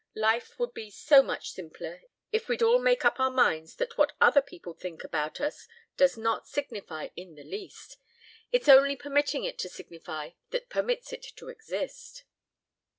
Life would be so much simpler if we'd all make up our minds that what other people think about us does not signify in the least. It's only permitting it to signify that permits it to exist."